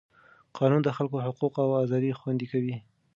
قانون د خلکو حقونه او ازادۍ خوندي کوي.